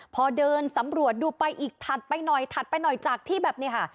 พอเดินสำรวจดูไปอีกถัดไปหน่อยถัดไปหน่อยจากที่แบบเนี่ยค่ะ